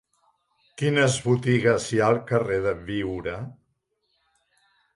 Quines botigues hi ha al carrer de Biure?